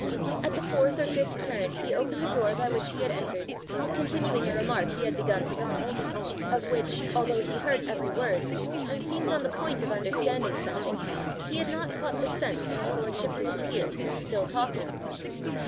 At the fourth or fifth turn he opened the door by which he had entered, continuing a remark he had begun to Donal of which, although he heard every word and seemed on the point of understanding something, he had not caught the sense when his lordship disappeared, still talking.